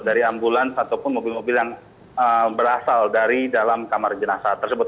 dari ambulans ataupun mobil mobil yang berasal dari dalam kamar jenazah tersebut